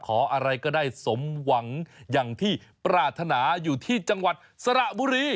อะไรก็ได้สมหวังอย่างที่ปรารถนาอยู่ที่จังหวัดสระบุรี